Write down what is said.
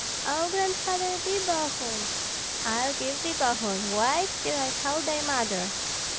"Oh, Grandfather, be Bogun!" "I'll give thee Bogun; wait till I call thy mother!"